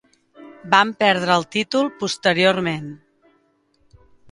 Van perdre el títol posteriorment.